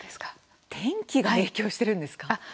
天気が影響しているんですか？